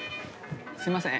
すいません。